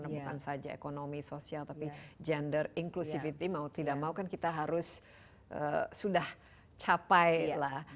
bukan saja ekonomi sosial tapi gender inclusivity mau tidak mau kan kita harus sudah capai lah